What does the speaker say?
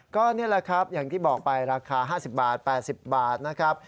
ก็นี่แหละครับอย่างที่บอกไปราคา๕๐บาท๘๐บาทนะครับ